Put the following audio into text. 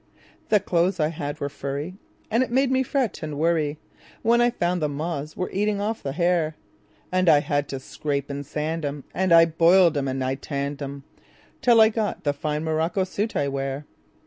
The clothes I had were furry, And it made me fret and worryWhen I found the moths were eating off the hair; And I had to scrape and sand 'em, And I boiled 'em and I tanned 'em, Till I got the fine morocco suit I wear.